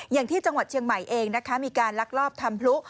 อย่างที่จังหวัดเชียงใหม่เองนะคะมีการลักลอบทำพลุ